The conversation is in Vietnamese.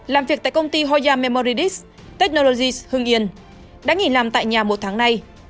làm việc tại công ty hoya memoridis technologys hưng yên đã nghỉ làm tại nhà một tháng nay